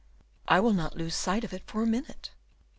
"I will not lose sight of it for a minute."